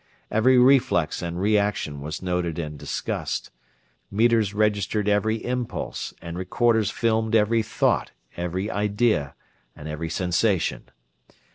Every reflex and reaction was noted and discussed. Meters registered every impulse and recorders filmed every thought, every idea, and every sensation.